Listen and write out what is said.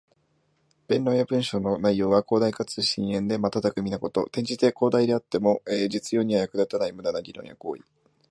弁論や文章の内容が広大かつ深遠で、また巧みなこと。転じて、広大ではあっても実用には役立たない無駄な議論や行為。